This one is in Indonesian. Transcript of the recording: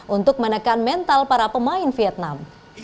untuk menekan mental para pemain vietnam